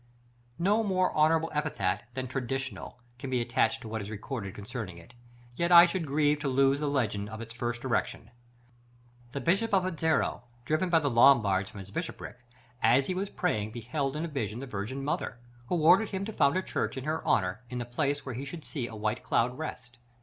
§ IV. No more honorable epithet than "traditional" can be attached to what is recorded concerning it, yet I should grieve to lose the legend of its first erection. The Bishop of Uderzo, driven by the Lombards from his Bishopric, as he was praying, beheld in a vision the Virgin Mother, who ordered him to found a church in her honor, in the place where he should see a white cloud rest.